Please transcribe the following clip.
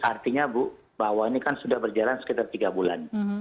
artinya bu bahwa ini kan sudah berjalan sekitar tiga bulan